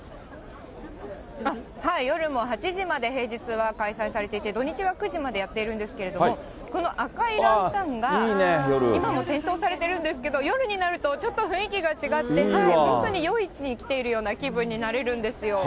夜も８時まで平日は開催されていて、土日は９時までやっているんですけど、この赤いランタンが今も点灯されているんですけれども、夜になるとちょっと雰囲気が違って、特に夜市に来ているような気分になれるんですよ。